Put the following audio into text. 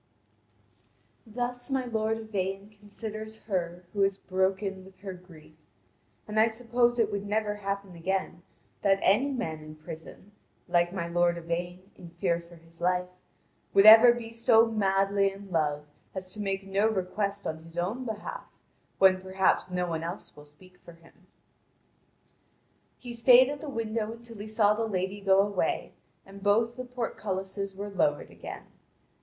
Thus my lord Yvain considers her who is broken with her grief, and I suppose it would never happen again that any man in prison, like my lord Yvain in fear for his life, would ever be so madly in love as to make no request on his own behalf, when perhaps no one else will speak for him. He stayed at the window until he saw the lady go away, and both the portcullises were lowered again.